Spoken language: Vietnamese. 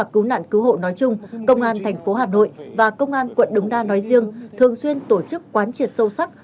cứu nạn cứu hộ nói chung công an thành phố hà nội và công an quận đống đa nói riêng thường xuyên tổ chức quán triệt sâu sắc